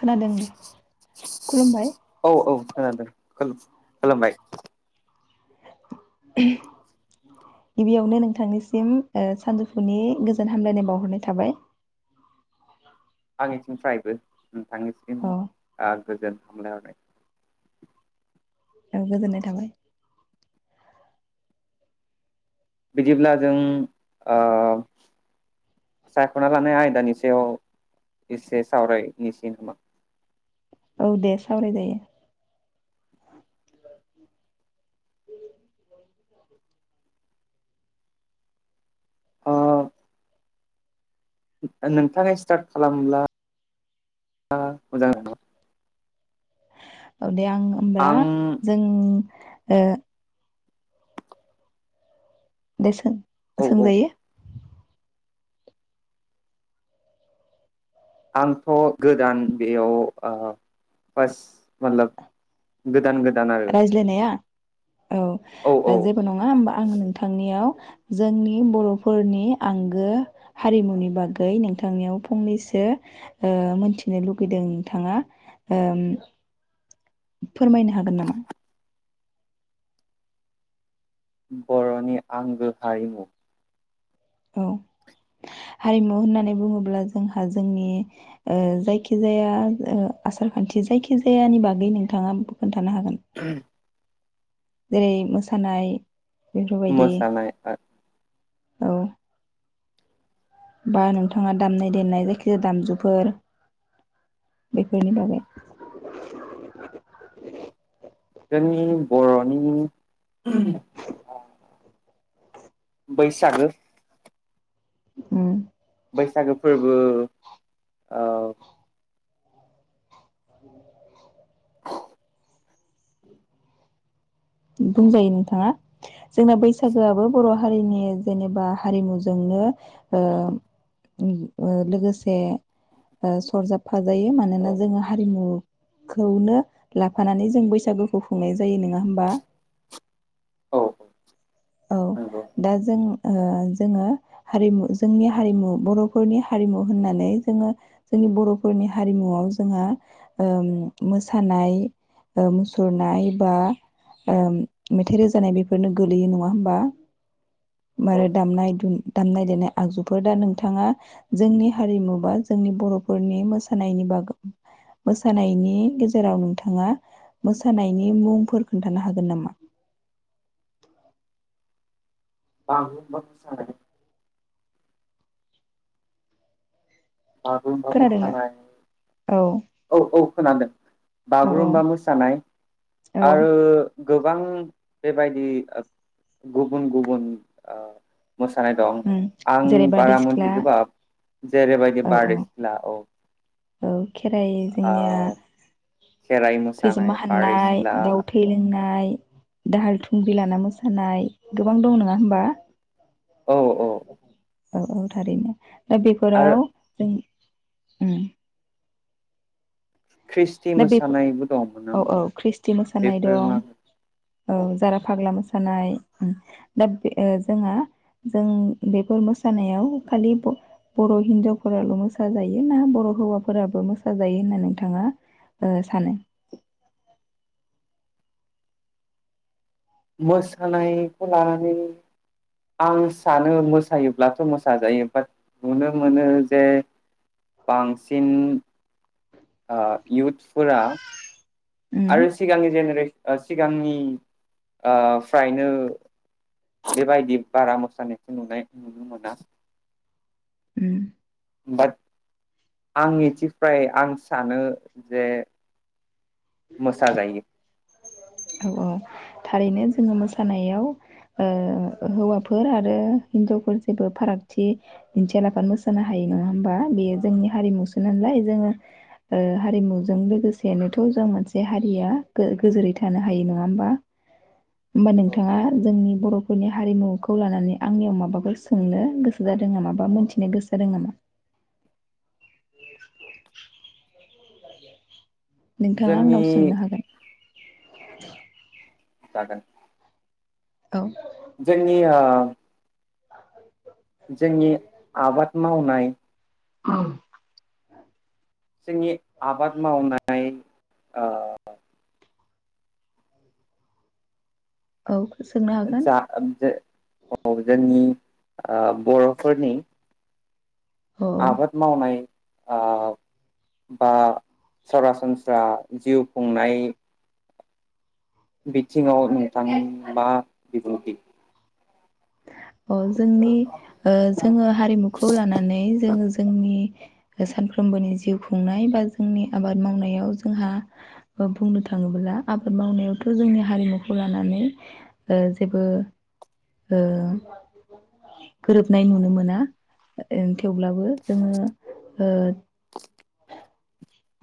खोनादों दे खुलुमबाय औ औ खोनादों खुलुम खुलुमबाय। गिबियावनो नोंथांनिसिम ओ सानजौफुनि गोजोन हामलायनाय बावहरनाय थाबाय। आंनिथिंफ्रायबो। नोंथांनिसिम औ आ गोजोन नाथाय औ गोजोननाय थाबाय। बिदिब्ला जों ओ सायख'ना लानाय आयदानि सायाव एसे सावरायनिसि नामा? औ दे सावरायजायो ओ [inaudible] नोंथाङा स्टार्ट खालामब्ला दा मोजां नामा औ दे आं होमबा आं जों ओ देसोन औ औ सोंजायो आंथ' गोदान बेयाव ओ फार्स्ट मालाब गोदान गो रायज्लायनाया? औ जेबो नङा होमबा आं नोंथांनियाव जोंनि बर'फोरनि आंगो हारिमुनि बागै नोंथांनियाव फंनैसो ओ मोनथिनो लुगैदों नोंथाङा ओम फोरमायनो हागोन नामा? बर'नि आंगो हारिमु औ हारिमु होननानै बुङोब्ला जोंहा जोंनि ओ जायखिजाया ओ‌ आसार खान्थि जायखिजायानि बागै नोंथाङा खोन्थानो हागो [inaudible] जेरै मोसानाय बेफोरबायदि मोसानाय आर औ बा नोंथाङा दामनाय देनाय जायखिजाया दामजुफोर बेफोरनि बागै जोंनि बर'नि बैसागो उम बैसागो फोरबो ओ [inaudible] [inaudible] बुंजायो नोंथाङा जोंना बैसागोआबो बर' हारिनि जेनेबा हारिमुजोंनो ओ ओ लोगोसे ओ सरजाबफ फाजायो मानोना औ जोङो हारिमु खौनो लाफानानै जों बैसागुखौ खुंनाय जायो नोङा होमबा? औ औ नंगौ दा जों ओ जोङो हारिमु जोंनि हारिमु बर'फोरनि हारिमु होननानै जोङो जोंनि बर'फोरनि हारिमुआव जोंहा ओम मोसानाय ओ मुसुरनाय बा ओम मेथाइ रोजानाय बेफोरनो गोग्लैयो नङा हो नङा होमबा औ मारै दामनाय दुम दामनाय देनाय आगजुफोर दा नोंथाङा जोंनि हारिमु बा जोंनि बर'फोरनि मोसानायनि बाग मोसानायनि गेजेराव नोंथाङा मोसानायनि मुंफोर खोन्थानो हागोन नामा? बागुरुम्बा मोसानाय। बागुरुम्बा खोनादोंना? मोसानाय औ औ औ खोनादों औ बागुरुम्बा मोसानाय औ औ आरो गोबां बेबायदि गुबुन गुबुन ओ मोसानाय दं उम आं जेरै बारदै बारा सिख्ला मोनथिजोबा जेरैबायदि औ औ बारदै सिला औ औ। खेराइ जोंनिया ओ खेराइ मोसानाय खैजोमा बारदै हाननाय सिख्ला दाउ थै लोंनाय दाहाल थुंग्रि लाना मोसानाय गोबां दं नङा होमबा? औ औ। औ औ थारैनो। दा आरो बेफोराव जों उम। ख्रिस्टि दा बे मोसानायबो दंमोन औ नामा औ ख्रिस्टि मोसानाय बेफोर मा दं औ जारा फाग्ला मोसा सानाय दा बे ओ जोंहा जों बेफोर मोसानायाव खालि ब- बर' हिनजावफोराल' मोसाजायो ना बर' हौवाफोराबो मोसााजायो होनना नोंथाङा ओ सानो। मोसानायखौ लानानै आं सानो मोसायोब्लाथ' मोसाजायो बाट नुनो मोनो जे बांसिन ओ इउथफोरा उम आरो सिगांनि जेनेरेल ओ सिगांनि ओ फ्रायनो बेबायदि बारा मोसानायखौ नुनाय नुनो मोना। उम बाट आं निथिफ्राय आं सानो जे मोसा जायो। औ औ थारैनो जोङो मोसानायाव ओ हौवाफोर आरो हिनजावफोर जेबो फारागथि दिन्थियालाबानो मोसानो हायो नङा होमबा बेयो जोंनि हारिमुसो नालाय जोङो ओ हारिमुजों लोगोसेनोथ' जों मोनसे हारिया गोजोरै था थानो हायो नङा होमबा? होमबा नोंथाङा जोंनि बर' नि हारिमुखौ लानानै आंनियाव माबाखौ सोंनो गोसो जादों नामा बा मोनथिनो गोसो जादों नामा? नोंथाङा आंनाव जोंनि सोंनो हागोन। जागोन। औ। जोंनि ओ [inaudible] जोंनि आबाद मावनाय जोंनि आबाद मावनाय ओ औ। सोंनो हागोन जा जाे औ जोंनि ओ बर'फोरनि औ औ आबाद मावनाय आ बा सरासनस जा जिउ खुंनाय। बिथिङाव नोंथां मा बिबुंथि। औ जोंनि ओ जोङो हारिमुखौ लानानै जोङो जोंनि सानफ्रोमबोनि जिउ खुंनाय बा जोंनि आबाद मावनायाव जोंहा बुंनो ओ थाङोब्ला आबाद मावनायावथ जोंनि हारिमुखौ लानानै ओ जेबो ओ गोरोबनाय नुनो मोना ओं थेवब्लाबो जोङो ओ।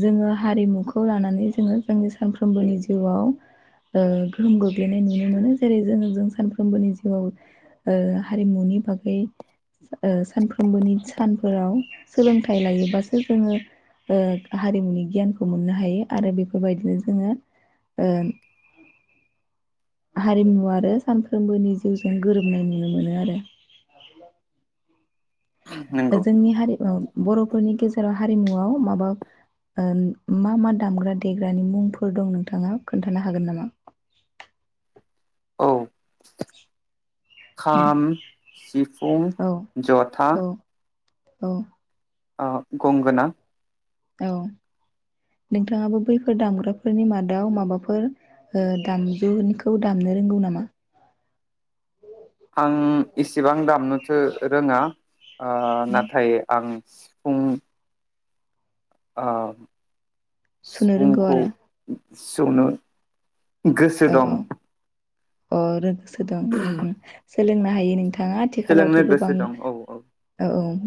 जोङो हारिमुखौ लानानै जोङो जोंनि सानफ्रोमबोनि जिउआव ओ गोहोम गोग्लैनाय नुनो मोनो जेरै जोङो जों सानफ्रोमबोनि जिउआव ओ हारिमुनि बागै ओ सानफ्रोमबोनि सानफोराव सोलोंथाइ लायोबासो जोङो ओ। हारिमुनि गियानखौ मोननो हायो आरो बेफोरबायदिनो जोङो ओ। हारिमु आरो सानफ्रोमबोनि जिउजों गोरोबनाय नुनो मोनो आरो। नंगौ जोंनि हारि ओ बर' फोरनि गेजेराव हारिमुवआव माबा ओ मा मा दामग्रा देग्रानि मुंफोर दं नोंथाङा खोन्थानो हागोन नामा? औ खाम सिफुं औ जथा। औ औ। ओ गंमगोना। औ नोंथाङाबो बैफोर दामग्राफोरनि मादाव माबाफोर ओ दामजुनिखौ दामनो रोंगौ नामा? आं इसेबां दाम मोथो रङा। ओ नाथाय आं। ओम। आं। सुनो रोंगौ आरो। सुनो। गोसो दं। ओ आरो। गोसो दं ओम। सोलोंनो हायो नोंथ ङा आथिखालावथ सोलोंनो गोबां गोसो दं औ-औ औ औ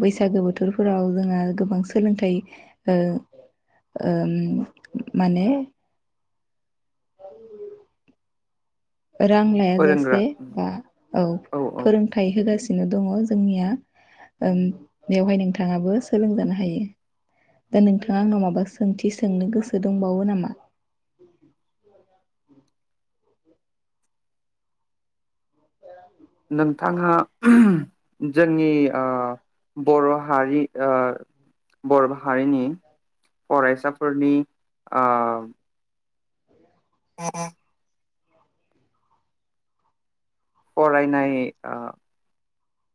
बैसाग बैसागो बोथोरफोराव जोंहा गोबां सोलोंथाइ ओ ओम माने। औ। रां लायाजासे फोरोंग्रा बा औ फोरोंथाइ होगासिन दङ जोंनिया ओम बेवहाय नोंथाङाबो सोलोंजानो हायो दा नोंथाङा आंनाव माबा सोंथि सोंनो गोसो दंबावो नामा? थांहा जोंनि ओ बर' हारि ओ बर' हारिनि फरायसाफोरनि ओ। [inaudible] [unintelligible] फरायनाय ओ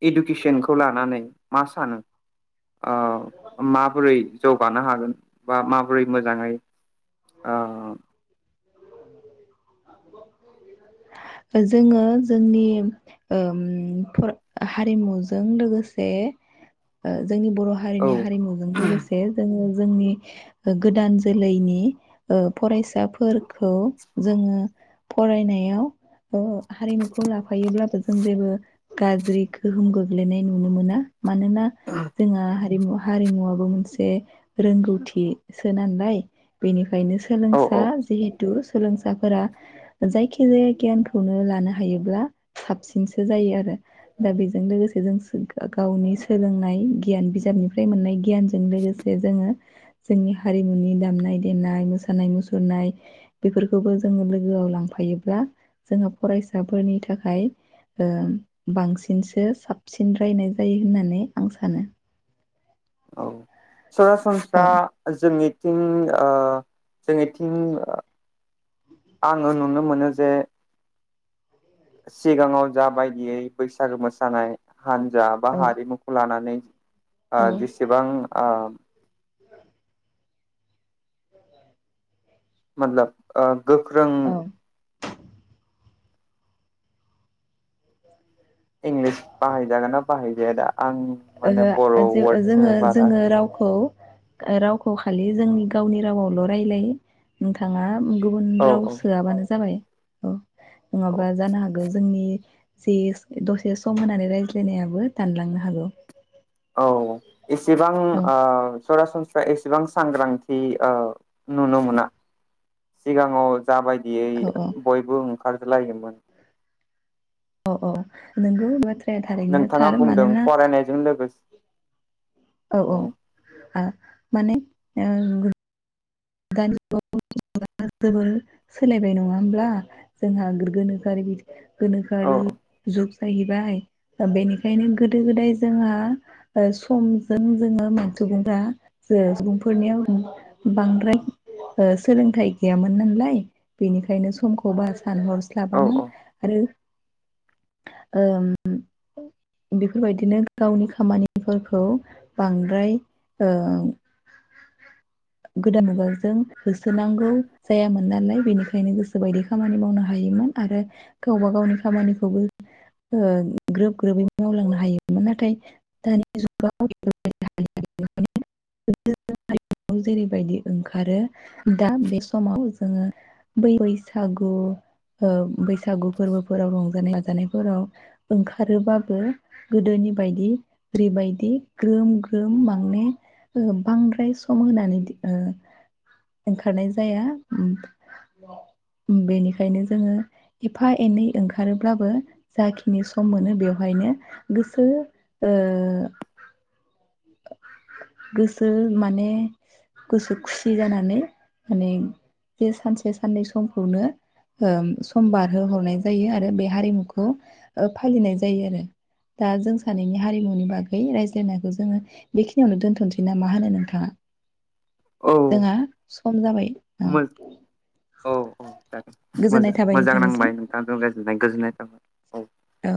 इडुकेसनखौ लानानै मा सानो। ओ माबोरै जौगानो हागोन बा मा बोरै मोजाङै ओ। जोङो जोंनि ओम फ्र हारिमुजों लोगोसे ओ। जों बर' औ हारिनि हारिमुजों लोगोसे जोङो। जोंनि गोदान जोलैनि ओ फरायसाफोरखौ जोङो फरायनायाव ओ हारिमुखौ लाफायोब्लाबो जों जेबो गाज्रि गोहोम गोग्लैनाय नुनो मोना। मानोना जोंहा हारिमुवा हारिमुवाबो मोनसे रोंगौथि सोनानैलाय बेनि फ्रायनो औ सोलोंसा औ जिहे सोलोंसाफोरा जायखिजाया गियानखौनो लानो हायोब्ला साबसिनसो जायो आरो दा बेजों लोगोसे जों गावनि सोलोंनाय गियान बिजाबनिफ्राय मोननाय गियान जों लोगोसे जोङो जोंनि हारिमुनि दामनाय-देनाय, मोसानाय-मुसुरनाय बेफोरखौबो जोङो लोगोआव लांफायोब्ला जोंहा फरायसाफोरनि थाखाय ओ बांसिनसो साबसिन रायनाय जायो होननानै आं सानो। औ। सरासनस्रा औ जोंनि थिं जोनिथिं आङो नुनो मोनो जे। सिगाङाव जा बायदियै बैसागो मोसानाय हानजा बा औ हारिमुखौ लानानै आ औ जेसेबां आ [inaudible] मतलब ओ। गोख्रों। औ इंलिस बाहै जागोना बाहायजाया दा आं ओ माने बर' जो ओ वार्डखौनो जोङो बारा जोङो रावखौ ओ रावखौ खालि जोंनि गावनि रावावल रायलायो नोंथाङा गुबुन औ राव औ सोआबानो जाबाय औ। औ नङाबा जानो हागौ जोंनि जे दसे सम होनानै रायज्लायनायाबो दानलांनो हागौ। औ। इसेबां औ आ सरासनस्रा एसेबां सांग्रांथि नुनो मोना सिगाङाव जाबायदियै औ औ बयबो खारजलायोमोन औ औ नोंगौ बाथ्रा नोंथाङा बुंदों फरायनायजों लोगोसे औ औ आ। माने ओं। दानि जुगाव जोबोर सोलायबाय नङा होमब्ला जोंहा गोनोखोआरि बि। औ गोनोखोआरि जुग। जाहैबाय बेनिखायनो गोदो गोदाय जोंहा समजों जोङो सुबुंफ्रा सुबुंफोरनियाव बांद्राय। ओ सोलोंथाइ गैयामोन नालाय बेनिखायनो समखौ बास सान औ हरस्लाबामोन आरो ओ बेफोरबायदिनो गावनि खामानिफोरखौ बांद्राय ओ गोदान मुगा जों होसोनांगौ जायामोन नालाय बेनिखायनो गोसोबायदि खामानि मावनो हायोमोन आरो गावबा गावनि खामानिखौबो ग्रोब ग्रोबै मावलांनो हायोमोन नाथाय दानि जुगाव जेरैबायदि ओंखार ओंखारो दा बे समाव जोङो बै बैसागु ओ बैसागु फोरबोफोराव रंजानाय बाजानायफोराव ओंखारोबाबो गोदोनि बायदि ओरैबायदि ग्रोम ग्रोम माने बांद्राय सम होनानै ओ, ओंखारनाय जाया बेनिखायनो जोङो एफा एनै ओंखारोब्लाबो जाखिनि सम मोनो बेवहायनो गोसो गोसो ओ माने गोसो खुस फ्रि जानानै माने बे सानसे साननै समखौनो सम बारहो हरनाय जायो आरो बे हारिमुखौ फालिनाय जायो आरो दा जों सानैनि हारिमुनि बागै रायज्लायनायखौ जोङो बेखिनियावनो दोनथ'सै ना मा होनो नोंथाङा, औ जोंहा सम जाबाय ओं मो औ औ मोजां मोजां नांबाय नोंथां गोजोननाय गोजोननाय थाबाय, औ